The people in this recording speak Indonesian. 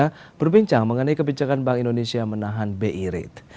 saya ingin bincang mengenai kebijakan bank indonesia menahan bi rate